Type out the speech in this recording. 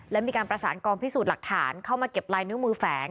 และมีการประสานกองพิสูจน์หลักฐานเข้ามาเก็บลายนิ้วมือแฝง